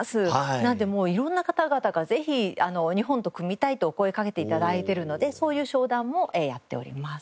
なのでもう色んな方々が「ぜひ日本と組みたい」とお声かけて頂いてるのでそういう商談もやっております。